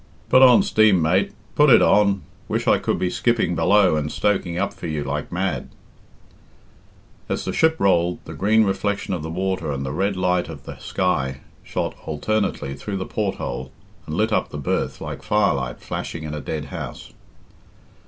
"Put on steam, mate; put it on. Wish I could be skipping below and stoking up for you like mad." As the ship rolled, the green reflection of the water and the red light of the sky shot alternately through the porthole and lit up the berth like firelight flashing in a dead house.